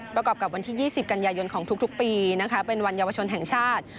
ประกอบกับวันที่๒๐กันยายนของทุกปีเป็นวันเยาวชนแห่งชาติ